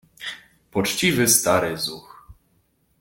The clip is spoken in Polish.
Poczciwy stary zuch!